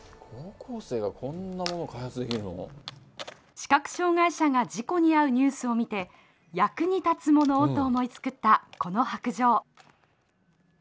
視覚障害者が事故に遭うニュースを見て役に立つものをと思い作ったこの白杖。